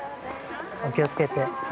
お気をつけて。